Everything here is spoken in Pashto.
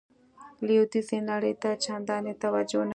لویدیځې نړۍ ته چندانې توجه نه کوي.